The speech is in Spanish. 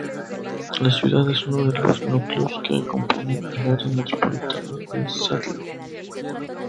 La ciudad es uno de los núcleos que componen el área metropolitana de Seattle.